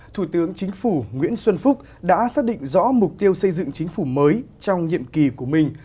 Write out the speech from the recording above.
thủ tướng chính phủ nguyễn xuân phúc đã xác định rõ mục tiêu xây dựng chính phủ mới trong nhiệm kỳ của mình